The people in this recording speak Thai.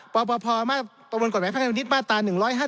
ปปพตแหภนิตมาตรา๑๕๙๙